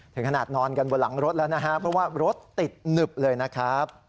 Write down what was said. ถึงขนาดนอนกันบนหลังรถแล้วนะฮะเพราะว่ารถติดหนึบเลยนะครับ